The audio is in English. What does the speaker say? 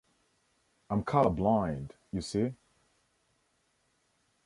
I'm colour blind, you see.